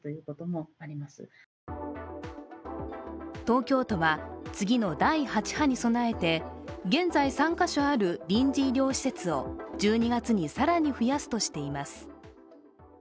東京都は次の第８波に備えて、現在３か所ある臨時医療施設を１２月に更に増やすとしています。